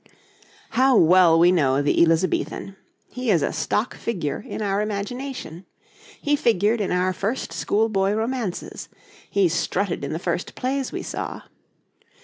How well we know the Elizabethan! He is a stock figure in our imagination; he figured in our first schoolboy romances, he strutted in the first plays we saw.